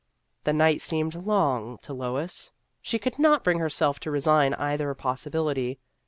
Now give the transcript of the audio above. The night seemed long to Lois. She could not bring herself to resign either possibility.